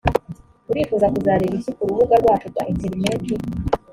urifuza kuzareba iki ku rubuga rwacu rwa interineti